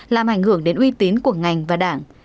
làm ảnh hưởng đến uy tín của ngành và đảng